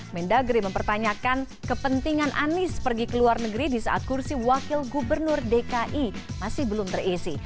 mendagri mempertanyakan kepentingan anies pergi ke luar negeri di saat kursi wakil gubernur dki masih belum terisi